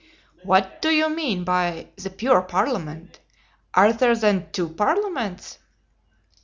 "What do you mean by 'the pure parliament'? Are there, then, two parliaments?"